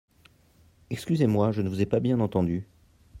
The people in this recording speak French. Excusez-moi, je ne vous ai pas bien entendu.